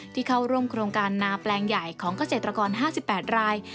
เข้าร่วมโครงการนาแปลงใหญ่ของเกษตรกร๕๘ราย